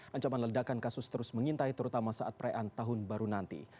ancaman ledakan kasus terus mengintai terutama saat perayaan tahun baru nanti